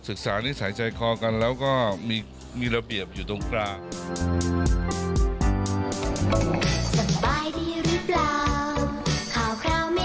ศึกษานิสัยใจคอกันแล้วก็มีระเบียบอยู่ตรงกลาง